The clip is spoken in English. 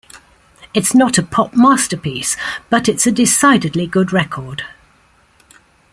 It's not a pop masterpiece but it's a decidedly good record.